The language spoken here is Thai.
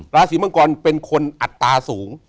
ราศีมังกรเป็นคนอัตราสูง